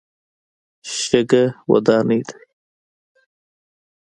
شګه وداني ده.